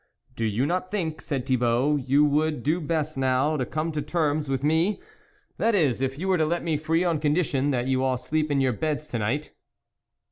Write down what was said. " Do you not think," said Thibault, you would do best now to come to terms with me ? That is, if you were to let me free on condition that you all sleep in your beds to night."